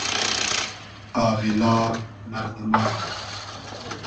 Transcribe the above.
آغیلا مئردوما